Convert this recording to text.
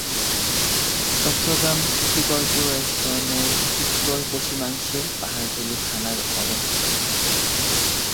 Chittagong city কর্পোরেশনের উত্তর-পশ্চিমাংশে পাহাড়তলী থানার অবস্থান।